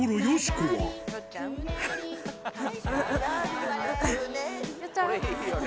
これいいよね。